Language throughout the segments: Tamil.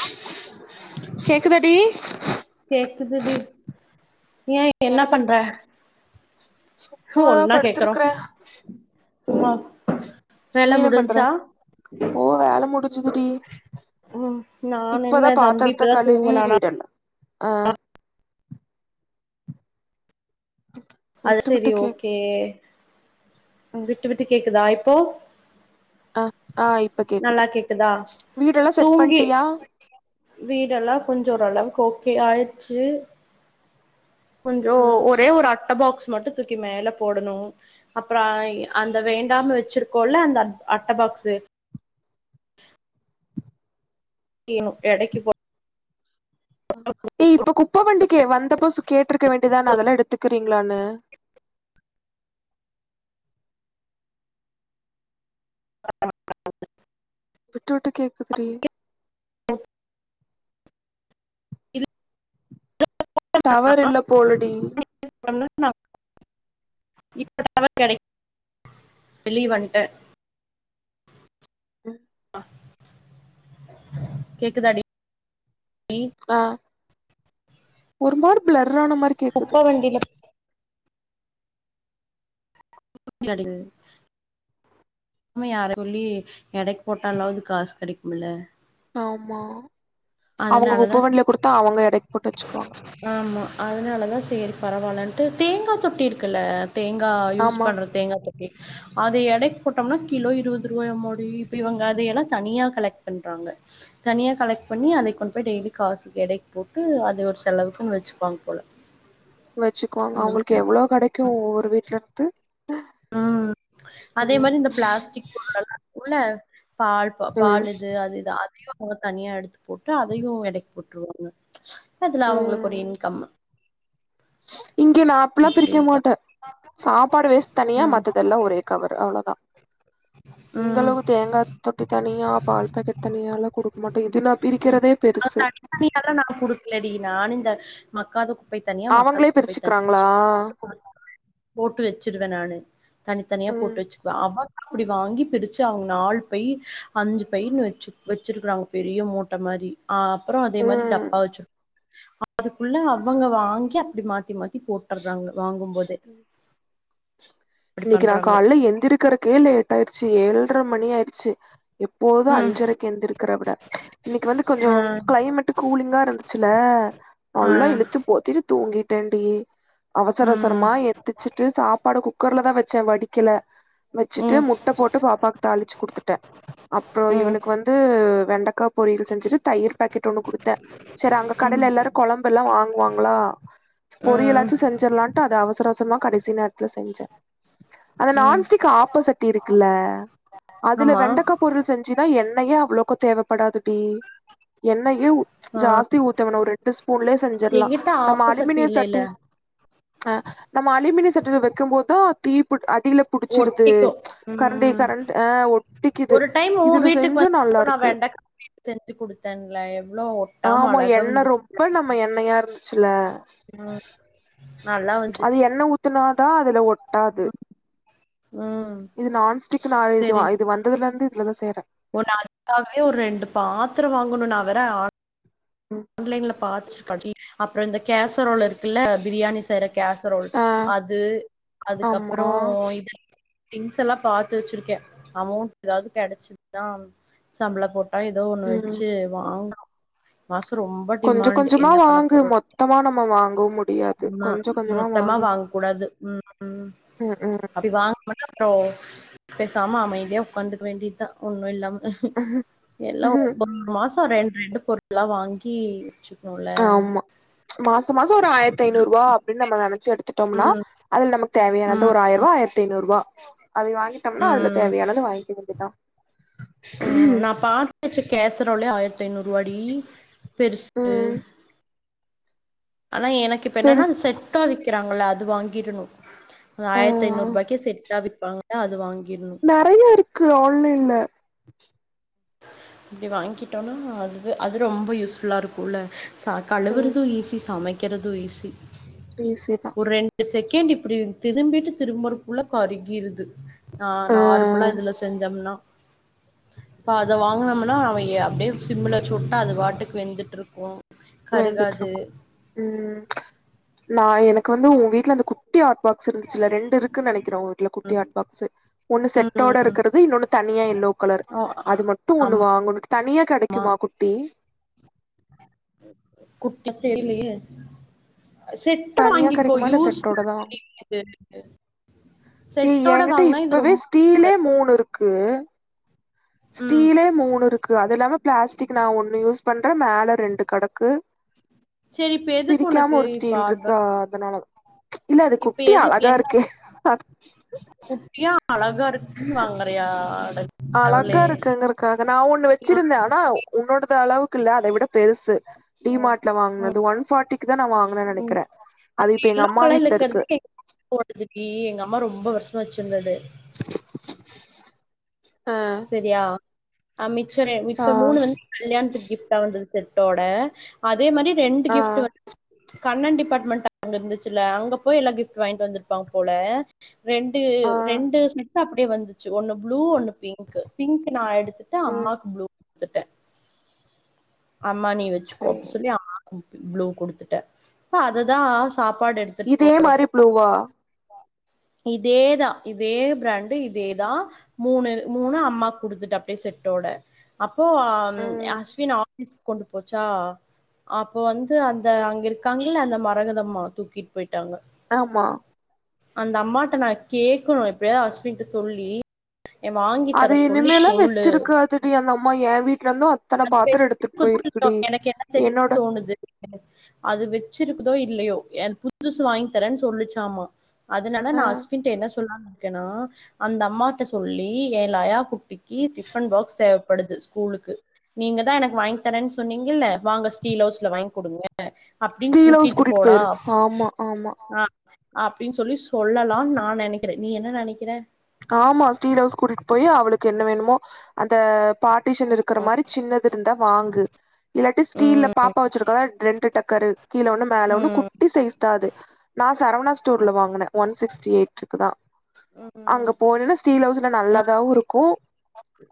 ஆ கேக்குதாடி கேக்குது டி ஏ என்ன பண்ற ஹ சும்மாதா ஒன்னா கேக்குறோ படுத்திருக்கற சும்மா நீ வேல என்ன பண்ற முடிஞ்ச்சா ஓ வேல முடிஞ்சுதுடி ம் நான் என்ன இப்பதா தம்பி பாத்தரத்த இப்பதா கழுவி தூங்குனானா வீடெல்லா அ அது விட்டு விட்டு சேரி கேக் ஓகே ம் விட்டு விட்டு கேக்குதா இப்போ அ ஆ இப்ப நல்லா கேக்குது கேக்குதா வீடெலா செட் பண்ட்டியா வீடெலா கொஞ்ச ஓரளவுக்கு ஓகே ஆயிருச்சு கொஞ்சோ ம் ஒரே ஒரு அட்டபாக்ஸ் மட்டு தூக்கி மேல போடணு அப்றோ ஐ அந்த வேண்டாம் வெச்சிருக்கோல்ல அந்த அட்ட பாக்ஸு வேணு எடைக்கு போ ஏ இப்ப குப்ப வண்டிக்கு வந்தப்போ சு கேட்டிருக்க வேண்டியதானே அதெல்லா எடுத்துக்கறீங்களானு [inaudible] விட்டு விட்டு கேக்குது டி ஓ டவர் இல்ல போலடி [unintelligible] வெளிய வண்ட ம் கேக்குதா டி ஆ ஒரு மாரி பிளர்ரான மாரி குப்ப கேக்குது வண்டில [unintelligible] சும்மா யார் சொல்லி எடைக்கு போட்டாலாவது காசு கெடைக்கும்ல ஆமா அவங்க அதனாலதா குப்ப வண்டில குடுத்தா அவங்க எடைக்கு போட்டு வெச்சுக்குவாங்க ஆமா அதனாலதா சேரி பரவால்லன்ட்டு தேங்கா தொட்டி இருக்குல்ல தேங்கா யூஸ் ஆமா பண்ற தேங்கா தொட்டி அத எடைக்கு போட்டோம்னா கிலோ இருபது ரூபாயா மாடி இப்ப இவங்க அதையெல்லா தனியா கலெக்ட் பண்றாங்க தனியா கலெக் பண்ணி அதை கொண்டு போய் டெய்லி காசு எடைக்கு போட்டு அது ஒரு செலவுக்குனு வெச்சுக்குவாங்க போல வெச்சுக்குவாங்க அந்த அவங்களுக்கு மாரி எவ்ளோ கெடைக்கு ஒவ்வொரு வீட்லருந்து ம் அதே மாரி இந்த பிளாஸ்டிக் பொருலெல்லா உள்ள பால் ம் பால் இது அது இது அதையு அத தனியா எடுத்து போட்டு அதையு எடைக்கு போட்டுருவாங்க அதுல அவங்களுக்கு ஒரு ம் இன்கம் இங்க நா அப்ல்லா பிரிக்க எப்டின்னு பா மாட்டே சாப்பாடு வேஸ்ட் தனியா ம் மத்ததல்ல ஒரே கவரு அவ்ளோதா இந்த ம் அளவு தேங்கா தொட்டி தனியா பால் பாக்கெட் தனியா எல்லா குடுக்க மாட்டோ இது நான் பிரிக்கறதே பெருசு தனியால்லா நா குடுக்கலடி நானு இந்த மக்காத தனியா மக்கற அவங்களே குப்பை தனியா பிரிச்சுக்கறாங்களா சொல்லி போட்டு வெச்சுருவ நானு தனித்தனியா ம் போட்டு வெச்சுக்குவ அவ அப்டி வாங்கி பிரிச்சு அவங்க நாலு பை அஞ்சு பைன்னு வெச்சு வெச்சிருக்கறாங்க பெரிய மூட்ட மாரி ஆ அப்றோ அதே மாரி டப்பா வெச்சு அதுக்குள்ள அவங்க வாங்கி அப்டி மாத்திமாத் த்தி போட்டற்றாங்க வாங்குபோதே ம் இன்னைக்கு நா காலல எந்திருக்கறக்கே லேட் ஆயிருச்சு ஏழ்ர மணி ஆயிருச்சு எப்போது ம் அஞ்சரைக் கெந்திருக்கற விட இன்னைக்கு வந்து கொஞ்சோ ஆ கிளைமேட்டு கூலிங்கா இருந்துச்சுல ஆ நல்லா இழுத்து போத்திட்டு தூங்கிட்டேன்டி அவசர ம் அவசரமா எத்துச்சிட்டு சாப்பாட குக் குக்கர்லதா வெச்ச வடிக்கல வெச்சுட்டு ம் முட்ட போட்டு பாப்பாக்கு தாளிச்சு குடுத்துட்ட அப்றோ ம் இவனுக்கு வந்து வெண்டக்காய் பொரியல் செஞ்சுட்டு தயிர் பாக்கெட் ஒண்ணு கொடுத்து த்த சரி அங்க ம் கடல எல்லாரு கொழம்பெல்லா வாங்குவாங்களா ம் பொரியலாச்சு செஞ்சர்லான்ட்டு அத அவசர அவசரமா கடைசி நேரத்துல செஞ்ச அந்த ம் நான்ஸ்டிக் ஆப்ப சட்டி இருக்குல்ல அதுல ஆமா வெண்டக்கா பொருள் செஞ்சனா எண்ணயே அவ்ளோக்க தேவப்படாது டி எண்ணயு ஆ ஜாஸ்தி ஊத்த வேணா ஒரு ரெண்டு ஸ்பூன்லே செஞ்சர்லா எங்கிட்ட நம்ம ஆப்போசிட் அலுமினிய இல்லைல சட்டி ஆ நம்ம அலுமினிய சட்டில வெக்கம்போத் தா தீ புட் அடில புடிச்சிருது ஒட்டிக்கு கரண்டி ம் கரண்டு ஆ ஒட்டிக்குது ஒரு டைம் உ இதுல வீட்டுக்கு செஞ்சா வந்தப்ப நா நல்லாருக்கு வெண்டக்கா செஞ்சு குடுத்தன்ல எவ்ளோ ஒட்டாம அழகா வந்துச்சு மா எண்ணையா இருந்துச்சில்ல ம் நல்லா அது வந்துச்சு எண்ண ஊத் துனாதா அதுல ஒட்டாது ம் இது நான்ஸ்டிக்குன்னா இது வ சேரி இது வந் ததுலர்ந்து இதுல தா செய்றே ஒன்னு அதுக்காகவே ஒர் ரெண்டு பாத்தரோ வாங்கணு நா வேற ம் ஆன்லைன்ல பாத் [inaudible] அப்பறோ இந்த கேசரோல் இருக் குல்ல பிரியாணி செய்ற கேசரோல் ஆ அது ஆமா அதுக்கப்றோ இது திங்ஸ் எல்லா பாத்து வெச்சிருக்கே அமௌண்ட் எதாவ்து கெடச்சதுனா சம்பளோ போட் டா எதோ ஒன்னு ம் வெச்சு வாங்கணு மசோ ரொம் கொஞ்ச கொஞ்சமா வாங்கு மொத்தமா நம்ம வாங்கவு முடியாது ஆமா கொஞ்ச கொஞ்சமா மொத்தமா வாங்கு வாங்க கூடாது ம் ம் ம் ம் அப்டி வாங்னோன்னா அப்றோ பேசாம அமைதியா உக்காந்துக்க வேண்டியதா ஒன்னு இல்லாம எல்லா ஒரு ம்ஹும் ஒரு மாசோ ரெண் ரெண்டு பொரு ளா வாங்கி வெச்சு ஆமா மாச மாசோ ஒரு ஆயர்த் ஐநூர்ருவா அப்டின் நம்ம நெனச்சு எடுத்துட்டம்னா அதுல் நமக் தேவையானது ஒரு ம் ஆயர்ருவா ஆயர்த் ஐநூர்ருவா அதை வாங்கிட்டம்னா அதுல ம் தேவயானது வாய்ங்க்க வேண்டியதா உஹம் ரோலே ஆயர்த் ஐநூர்ருவாடி பெருசு ம் ஆனா எனக் இப்ப என்னன்னா அந்த பெருஸ் செட்டா விக்கறாங்கல்ல அது வாங்கீரணு ஆ ஆயர்த் ஐநூர்ருபாய்க்கே செட்டா விப்பாங்கில்லயா அது வாங்கீர்ணு நெறயா இருக்கு ஆன்லைன்ல அப்டி வாய்ங்கிட்டோனா அதுவே அது ரொம்ப யூஸ்ஃபுல்லா இருக்குல்ல ச ம் கழுவறது ஈஸி சமைக்கிறது ஈஸி ஈஸி தா ஒரு ரெண்டு செகேண்ட் இப்டி திரும்பிட்டு திரும்பறக்குள்ள கருகிருது ஆ நார்மலா இதுல செஞ்சம்னா அப்ப அத வாங்குனம்ன்னா அ எ அப்டியே சிம்ல வச்சுவுட்டா அது பாட்டுக் வெந்துட்ருக்கு கருகாது வெந்துட்ருக்கு ம் நா எனக் வந்து உ வீட்ல அந்த குட்டி ஆ ட் பாக்ஸ் இருந்துச்சுல்ல ரெண்டு இருக்குன் நெனக்கிற உ வீட்ல குட்டி பாக்ஸு ஒன்னு செட்டோட ம் இருக்கறது இன்னோன்னு தனியா எல்லோ கலர் ஆ அது மட்டு ஒன்னு வாங்கனுன்ட்டு தனியா ஆமா கெடைக்குமா குட்டி குட்டி தெர்லியே செட்டோட தனியா வாங்கிக்கோ கெடைக்குமா இல்ல யூஸ் செட்டோடதா ஃபுல்லா [inaudible] ஏ செட்டோட என்கிட்ட வாங்னா இது இப்பவே ரொம்ப ஸ்டீலே மூணுருக்கு ம் ஸ்டீல மூணுருக்கு அது இல்லாம பிளாஸ்டிக் நா ஒன்னு யூஸ் பண்றே மேல ரெண்டு கெடக்கு செரி இப்ப எதுக் உனக்கு இப்ப ஆட் ஆ பாக்ஸ் அதனாலாதா இல்ல அது குட்டி எதுக்கு அழகா என்ன இருக்கே குட்டியா அழகா இருக்குன் வாங்கறயா அட கடவுளே க்காக நா ஒன்னு இன்னொரு வெச்சிருந்தே ஆனா உன்னோடது அளவுக் கில்ல அதை விட பெருசு டி ம் மார்ட்ல வாங்னது ம் ஒன் ஃபாட்டிக்கு தா நா வாங்குனே ம் நெனக்கிற அது இப்ப எங்க அம்மா வீட்ல இருக்கு ஓட்ட தூக்கி எங்க அம்மா ரொம்ப வருஷமா வச்ருந்தது அ சரியா அ மிச்ச ரெ மிச்ச ஆ மூணு வந்து கல்யாணத்துக்கு கிஃப்ட்டா வந்தது செட்டோட அதே மாரி ரெண்டு ஆ கிஃப்ட் வந்ச்சு கண்ணன் டிபார்ட்மெண்ட் அங்க இருந்துச்சுல்ல அங்க போய் எலா கிஃப்ட் வாங்ட்டு வந்த்ருப்பாங்க போல ரெண்டு ஆ ரெண்டு செட் அப்டியே வந்துச்சு ஒன்னு ப்ளூ ஒன்னு பிங்க் கு பிங்க் நா எடுத்துட்டே ம் அம்மாக்கு ப்ளூ குடுத்துட்டே அம்மா நீ வச்சுக்கோ சரி அப்டி சொல்லி அம்மாக்கு ப்ளூ குடுத்துட்டே இப்ப அது தா சாப்பாடு எடுத் இதே மாரி ப்ளூவா இதேதா இதே பிராண்டு் இதே தா மூணு மூணு அம்மாக் குடுத்துட்டே அப்டியே செட்டோட அப்போ ம் அஸ்வினு ஆ பிஸ் கொண்டு போச்சா அப்போ வந்து அந்த அங்க இருக்காங்கல்ல அந்த மரகதம்மா தூக்கிட் போய்ட்டாங்க ஆமா அந்த அம்மாட்ட நா கேக்கணு எப்டியாவது அஸ்வின்ட சொல்லி வாங்கி அது தர சொல்லி இனிமேலே சொல்லு வச்சிருக்காதுடி அந்த அம்மா எ வீட்ல இருந்து அத்தன பாத்ரோ எடுத்து குடுத்துருக்கோ எனக்கு என்ன தெரியுனு தோணுது அது வச்சிருக்குதோ இல்லயோ எனக்கு புதுசு வாங்கி தரேன் சொல்லுச்சாமா அதனால ஆ நா அஸ்வின்ட என்ன சொல்லான் இருக்கேனா அந்த அம்மாட்ட சொல்லி எ லயா குட்டிக் கி டிஃபன் பாக்ஸ் தேவப்படுது ஸ்கூலுக்கு நீங்கதா எனக் வாங்கி தரேன் சொன்னீங்கல்ல வாங்க ஸ்டீல் ஹவுஸ்ல வாங் குடுங்க அப்டின் ஸ்டீல் ஹவுஸ் கூட்டிட்டு போடா போயிரு ஆமா ஆமா ஆ அப்டின் சொல்லி சொல்லலான் நா நெனைக்கிறே நீ என்ன நெனைக்கிறே ஆமா ஸ்டீல் ஹவுஸ்க் கூட்டிட்டு போயி அவளுக்கு என்ன வேணுமோ அந்த பாட்டிஷன் இருக்கிற மாரி சின்னது இருந்தா வாங்கு இல்லாட்டி ஸ்டீல்ல ம், பாப்பா வச்சிருக்கால ரெண்டு டக்கரு கீழே ஒன்னு மேல ஒன்னு ம், குட்டி சைசுதா அது நா சரவணா ஸ்டோர்ல வாங்கினே ஒன் சிக்ஸ்டி எயிட் குதா அங்க ம். போனேன்னா ஸ்டீல் ஹவுஸ்ல நல்லதாவு இருக்கு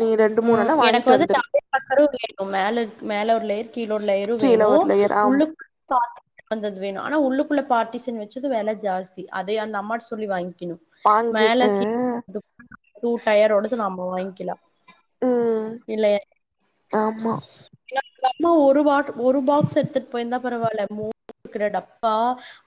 நீ ரெண் ம் எனக்கு வந்து டபுள் டக்கரு வேணு மேலே இருக் மேலே ஒரு லேயர் கீழ லேயரு வேணு எர் ஆமா சாத் வந்தது வேணு ஆனா உள்ளுக்குள்ள பாட்டிசன் வச்சது வெல ஜாஸ்தி அதே அந்த அம்மாட்ட சொல்லி வாங்க்கணு வாங்கிட்டு டூ டயரோடது நாம வாங்க்கிலா ம் இல்லய ஆமா அம்மா ஒரு வாட் ஒரு பாக்ஸ எடுத்துட் போயிருந்தா பரவால்ல [inaudible] டப்பா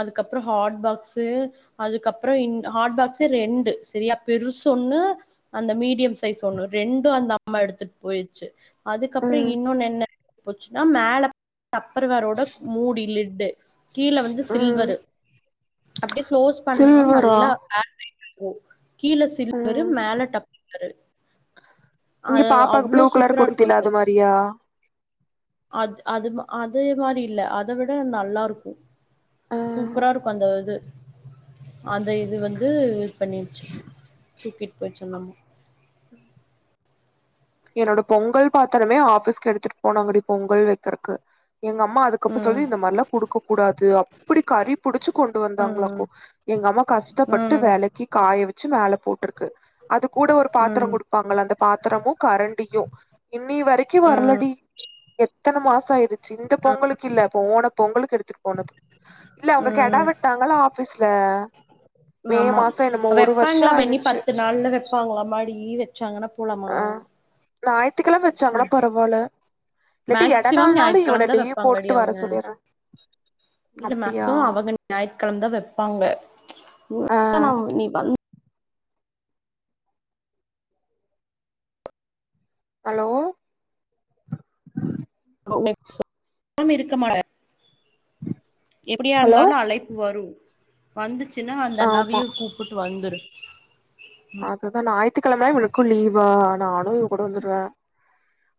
அதுக்கப்றோ ஹாட் பாக்ஸு அதுக்கப்றோ இன் ஹாட் பாக்ஸே ரெண்டு சரியா பெருசு ஒன்னு அந்த மீடியம் சைஸ் ஒண்ணு ரெண்டு அந்த அம்மா எடுத்துட் போயிர்ச்சு அதுக்கப்றோ ம் இன்னொன்னு என்ன போச்சுன்னா மேல அப்பறவரோட மூடி லிட்டு கீழ வந்து ம் சில்வரு அப்டியே க்ளோஸ் பண்ணா சில்வரா நல்லா [inaudible] கீழ சில்வரு ம் மேல [inaudible] இங்க அது பாப்பாக்கு அவ்ளோ ப்ளூ கலர் சூப்பரா இருக்கும் குடுத்தில அது மாரியா அது அது அது மாரி இல்ல அத விட நல்லா இருக்கு ம் சூப்ரா இருக்கு அந்த இது அந்த இது வந்து பண்ணிட்ச்சு தூக்கிட் போயிச்சு அந்த அம்மா என்னோட பொங்கல் பாத்தரமே ஆபிஃஸ்க்கு எடுத்துட் போனாங்கடி பொங்கல் வைக்கிறக்கு எங்க அம்மா அதுக் கு அப்ப சொல்லி ம் இந்த மார்லா குடுக்க கூடாது அப்டி கறி புடிச்சு கொண்டு வந்தாங்ளாக்கோ ம் எங்க அம்மா கஷ்டப்பட்டு ம் வெலக்கி காய வச்சு மேல போட்ருக்கு அது கூட ஒரு பாத்தர ம் குடுப்பாங்கள அந்த பாத்தரமு கரண்டியு இன்னி வரைக்கு ம் வரலடி எத்தன மாசோ ஆயிருச்சு இந்த பொங்கலு கில்ல போனப் பொங்கலுக்கு எடுத்துட் போனது இல்ல அவுங்க கெடா ம் வெட்டாங்ள ஆபீஃஸ்ல ஆமா வெப்பாங்களா பண்ணி ஆயிருச்சு பத்து நாள்ல வெப்பாங்களா மாடி வெச்சாங்கன்னா போலமா ஞாயித்துக்கிழம வெச்சாங்கனா பரவாயில்ல இல்லட்டி மேக்சிமம் எடநாள் நாளு ஞாயிற்றுக்கிழமை இவன தான் லீவ் வைப்பாங்கடி போட்டு வர அவங்க சொல்லிற இல்ல மேக்சிமம் அவுங்க ஞாயித்துகிழம தா வெப்பாங்க ஆ [inaudible] நீ வந் ஹலோ [inaudible] மேக்சிமம் இருக்க மாட்ட எப்படியா ஹலோ இருந்தாலு அழைப்பு வரு வந்துச்சுன்னா அந்த ஆமா நவிய கூப்புட்டு வந்துரு அதுதா ஞாயித்துகிழம இவுளுக்கு லீவா நானு இவ கூட வந்துடுவே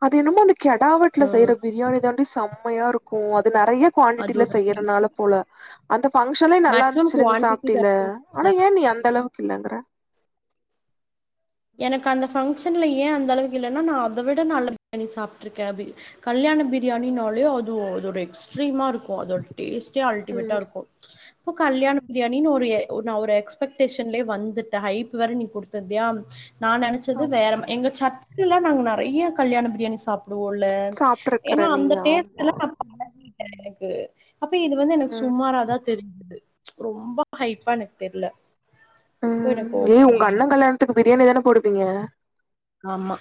அது என்னமோ அந்த கெடா வெட்டுல செய்ற பிரியாணி தாண்டி செம்மையா இருக்கு அது நெறைய அது குவான்டிட்டில ஒரு செய்யறதுனால போல அந்த ஃபங்க்ஷன்லே நல்லா மேக்ஸிமம் இருந்ச்சுல நீ குவான்டிட்டி சாப்ட்டில ஜாஸ்தி ஆனா ஏன் நீ அந்த அளவுக்கு இல்லங்கற எனக்கு அந்த ஃபங்க்ஷன்ல ஏன் அந்த அளவுக்கு இல்லன்னா நா அத விட நல்ல பிரியாணி சாப்ட்ருக்கே அபி கல்யாண பிரியாணின்னாலே அது அ ஒரு எக்ஸ்ட்ரீமா இருக்கு அதோட டேஸ்ட்டே ம் அல்டிமேட்டா இருக்கு இப்போ கல்யாண பிரியாணின்னு ஒரு நா ஒரு எக்ஸ்பெக்டேஷன்லே வந்துட்டே ஹைப் வேற நீ குடுத்திருதியா நா நனச்சது ஆமா வேற எங்க சர்க்குல்ல நாங்க நறைய கல்யாண பிரியாணி சாப் ஒல சாப்ட்ருக்கற ஏன்னா நீ அந்த டேஸ்ட் ஆமா எல்லா நான் பழகிட்ட எனக்கு அப்ப இது வந்து எனக்கு ம் சுமாராதா தெரிஞ்சுது ரொம்ப ஹைப்பா எனக் தெர்ல அப்போ எனக்கு ம் ஏய் ஓகே உங்க அண்ண கல்யாணத்துக்கு பிரியாணி தானே போடுவீங்க ஆமா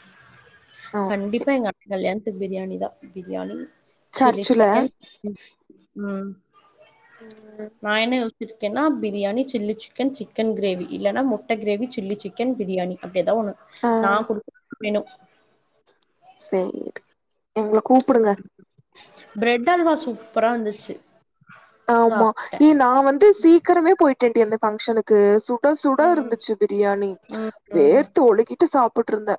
ஓகே கண்டிப்பா எங்க அண்ண கல்யாணத்துக்கு பிரியாணி தா பிரியாணி சில்லி சர்ச்சுல சிக்கன் ம் ம் நா என்ன யோச்சிருக்கேன்னா biryani chilli chicken chicken gravy இல்லனா முட்ட கிரேவி சில்லி சிக்கன் பிரியாணி அப்டி எதா ஒண்ணு ஆ நா குடுத்த மெணு சேரி எங்ள கூப்புடுங்க பிரெட் அல்வா சூப்பரா இருந்துச்சு ஆமா சாப்ட்டேன். ஏய் நா வந்து சீக்கிரமே போயிட்டே டி அந்த ஃபங்க்ஷனுக் கு சுட சுட ம். இருந்துச்சு பிரியாணி ம். ம். வேர்த்து ஒழுகிட்டு சாப்புட்ருந்தே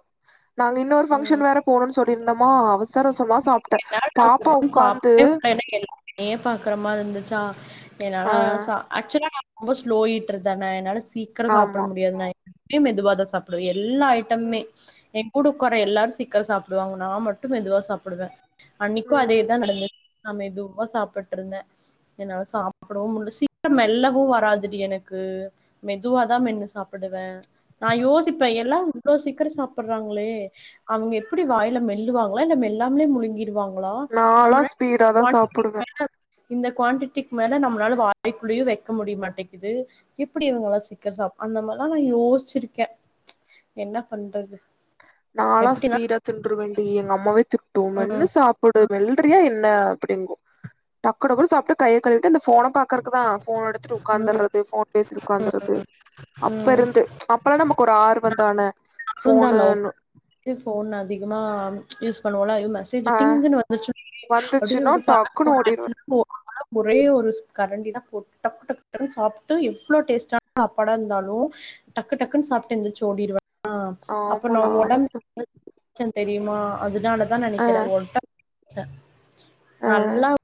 நாங்க இன்னொரு ஃபங்க்ஷன் வேற போணுன் சொல்லியிருந்தமா அவசர அவுசரமா சாப்ட்ட பாப்பா உட்காந்து என்ன எல்லாருமே பாக்குற மாரி இருந்துச்சா என்னால ஆ சாப் ஆக்சுவலா நா ரொம்போ ஸ்லோ ஈட்டர் தான என்னால சீக்கிர சாப்பட ஆமா முடியாது நா எப்பியு மெதுவாதா சாப்டுவே எல்லா ஐட் டமே ம் என் கூட குறை எல்லாரு சீக்கிர சாப்பிடுவாங்க நா மட்டு மெதுவா சாப்பிடுவே அன்னைக்கு ம் அதேதா நடந்துது நா மெதுவா சாப்பட்ருந்தே என்னால சாப்பிடவு முடியல சீக்கிர மெல்லவு வராதுடி எனக்கு மெதுவாதா மென்னு சாப்பிடுவே நா யோசிப்பே எல்லா இவ்ளோ சீக்கிரோ சாப்பிடுறாங்களே அவுங்க எப்டி வாயில மெல்லுவாங்களா இல்ல மெல்லாமே முழுங்கிடுவாங் களா நாலா நம்ம [inaudible] ஸ்பீடாதா சாப்புடுவே இந்த குவான்டிட்டிக்கு மேல நம்மளால வாய்குள்ளேயே வெக்க முடிய மாட்டேங்கிது எப்டி இவங்க இவள சீக்கிர சா அந்த மாரிலா நா யோசிச்சிருக்கே என்ன பண்றது நாலா எப்படின்னா ஸ்பீடா தின்று வேண்டி எங்க அம்மாவே திட்டு மென்னு ம் சாப்ப டு மெல்றியா என்ன அப்டிங்கு டக்கு டக்கு சாப்பிட்டு கையை கழுவிட்டு அந்த போன பாக் குவா ஃபோன் எடுத்துட்டு ம் உக்காந்துறது ஃபோன் பேசிட்டு உக்காந்துறது அப்ப ம் இருந்து அப்பல்லா நமக்கு ஒரு ஆர்வந்தான ஃபோன் ஹலோ இது ஃபோன் அதிகமா யூஸ் பண்ணுவல்ல அய்யோ மெ சேஜ் ஆ டிங்கன்னு வந்துச்சு [unintelligible] அப்டியே [unintelligible] வந்துச்சுன்னா டக்குன்னு ஓடிருவேன். அதால ஒரே ஒரு கரண்டி தா போ டக்கு டக்குன்னனு சாப்பிட்டு எவ்ளோ டேஸ்ட சாப்டா இருந்தாலு டக்கு டக்குன்னு சாப்பிட்டு எந்திரிச்சு ஓடிடுவே அப்ப ஆமா நா நானும் அப்டிதான். ஒடம்பு தெரியுமா அதனாலதா ஆ, நெனைக்கிறே ஒடம்பு சே ஆ. நல்லா